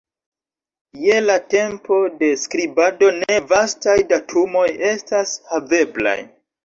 Je la tempo de skribado ne vastaj datumoj estas haveblaj.